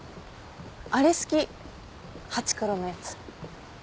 あれ好き『ハチクロ』のやつ。